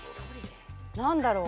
何だろう。